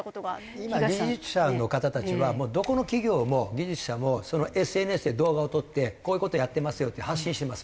今技術者の方たちはもうどこの企業も技術者もＳＮＳで動画を撮ってこういう事やってますよって発信してます。